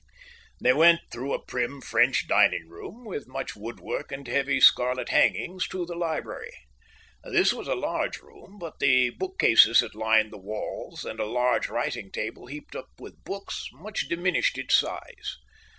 They went through a prim French dining room, with much woodwork and heavy scarlet hangings, to the library. This was a large room, but the bookcases that lined the walls, and a large writing table heaped up with books, much diminished its size.